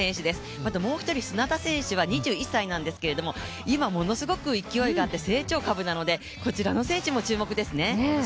またもう一人砂田選手は２１歳なんですけれども、今ものすごく勢いがあって成長株なので、こちらの選手も注目ですね。